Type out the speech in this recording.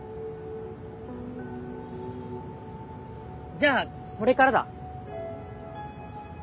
じゃあこれからだ！